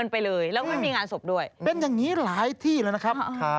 เป็นอย่างนี้หลายที่เลยนะครับ